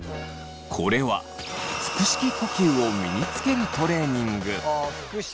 これは腹式呼吸を身につけるトレーニング。